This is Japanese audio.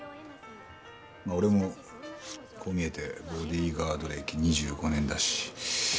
まあ俺もこう見えてボディーガード歴２５年だし。